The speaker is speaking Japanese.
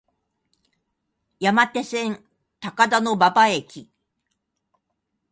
山手線、高田馬場駅